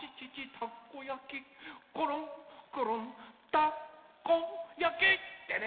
たこやきころんくるんたこやき！ってね。